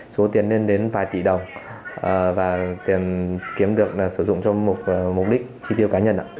số tiền lên đến vài tỷ đồng